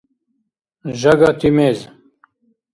Жагати мез.